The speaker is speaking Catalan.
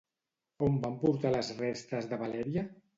On van portar les restes de Valèria?